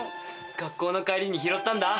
学校の帰りに拾ったんだ。